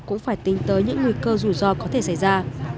cũng phải tính tới những nguy cơ rủi ro có thể xảy ra